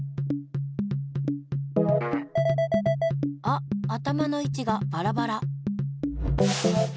あっ頭のいちがバラバラ。